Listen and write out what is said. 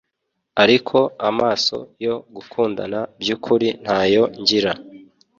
ariko amaso yo gukundana byukuri ntayo ngira